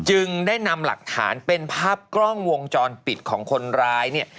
จึงได้นำหลักฐานเป็นภาพกล้องวงจรปิดของคนร้ายเนี่ย